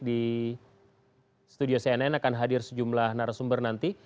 di studio cnn akan hadir sejumlah narasumber nanti